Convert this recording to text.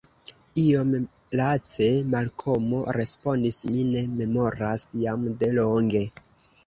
Iom lace Malkomo respondis: Mi ne memoras; jam de longe.